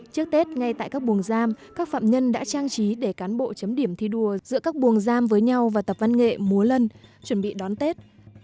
trước tết ngay tại các buồng giam các phạm nhân đã trang trí để cán bộ chấm điểm thi đua giữa các buồng giam với nhau và tập văn nghệ múa lân chuẩn bị đón tết